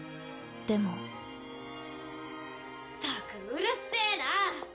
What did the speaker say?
でも・ったくうるせな！